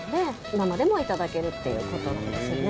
生でもいただけるっていうことなんですね。